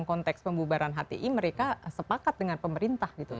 konteks pembubaran hti mereka sepakat dengan pemerintah gitu